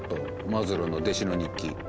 マズローの弟子の日記。